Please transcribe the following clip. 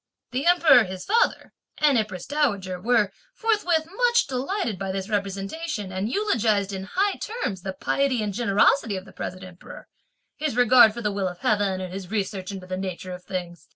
The Emperor, his father, and Empress Dowager were, forthwith, much delighted by this representation, and eulogised, in high terms, the piety and generosity of the present Emperor, his regard for the will of heaven and his research into the nature of things.